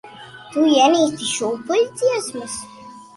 Tu ienīsti šūpuļdziesmas.